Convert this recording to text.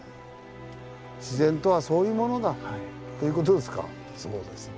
自然とはそういうものだ。ということですか？